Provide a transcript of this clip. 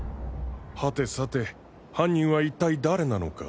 はてさて犯人は一体誰なのか。